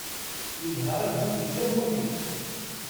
Yenḥeṛ agdud-is am ulli.